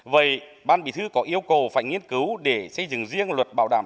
vậy ban bị thứ có yêu cầu phải nghiên cứu để xây dựng riêng luật bảo đảm